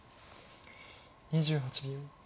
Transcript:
２８秒。